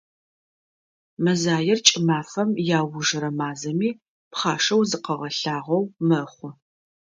Мэзаер кӏымафэм иаужырэ мазэми, пхъашэу зыкъыгъэлъагъоу мэхъу.